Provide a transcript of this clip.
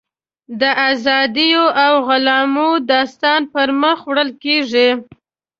د ازادیو او غلامیو داستان پر مخ وړل کېږي.